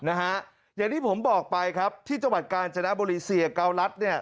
นะฮะอย่างที่ผมบอกไปครับที่จังหวัดกาลจนบริเศรษฐ์เกาลัดเนี่ย